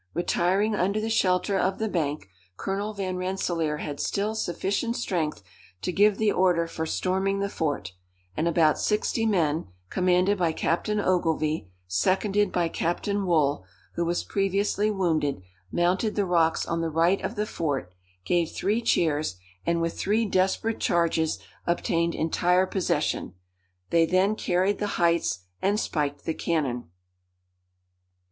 Retiring under the shelter of the bank, Colonel Van Rensselaer had still sufficient strength to give the order for storming the fort; and about sixty men, commanded by Captain Ogilvie, seconded by Captain Wool, who was previously wounded, mounted the rocks on the right of the fort, gave three cheers, and with three desperate charges obtained entire possession; they then carried the heights, and spiked the cannon.